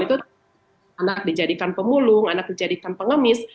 itu anak dijadikan pemulung anak dijadikan pengemis